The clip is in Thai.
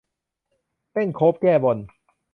เต้นโคฟแก้บน